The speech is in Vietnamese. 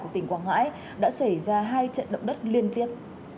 của tỉnh quảng ngãi đã xảy ra hai trận động đất liên tiếp